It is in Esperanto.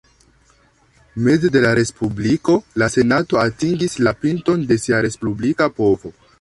Meze de la Respubliko, la Senato atingis la pinton de sia respublika povo.